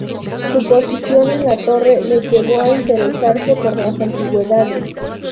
Su posición en la Torre le llevó a interesarse por las antigüedades.